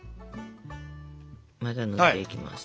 まずは塗っていきます。